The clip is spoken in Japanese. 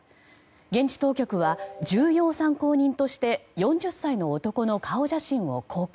現地当局は重要参考人として４０歳の男の顔写真を公開。